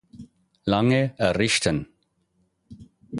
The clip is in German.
Lange, errichten.